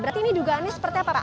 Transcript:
berarti ini dugaannya seperti apa pak